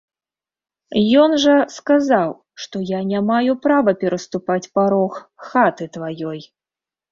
Ён жа сказаў, што я не маю права пераступаць парог хаты тваёй.